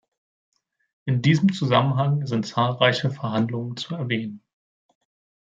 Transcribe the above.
In diesem Zusammenhang sind zahlreiche Verhandlungen zu erwähnen.